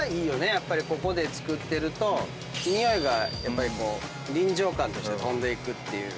やっぱりここで作ってるとにおいがこう臨場感として飛んでいくっていう。